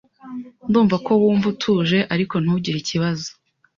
Ndumva ko wumva utuje, ariko ntugire ikibazo.